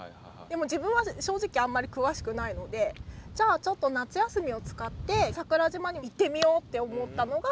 でも自分は正直あんまり詳しくないのでじゃあちょっと夏休みを使って桜島に行ってみようって思ったのが最初のきっかけで。